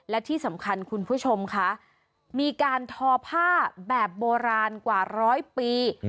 และที่สำคัญคุณผู้ชมคะมีการทอผ้าแบบโบราณกว่าร้อยปี